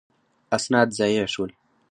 اسناد ضایع شول.